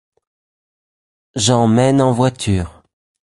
J’en mène en voiture